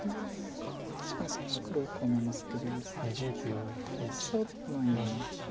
確かに少し黒よくは見えますけど大差はないような。